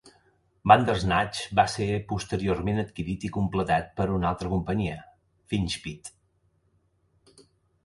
"Bandersnatch" va ser posteriorment adquirit i completat per una altra companyia, "Finchspeed".